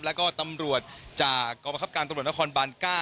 แล้วก็ตำรวจจากกรประคับการตำรวจนครบาน๙